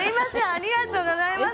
ありがとうございます。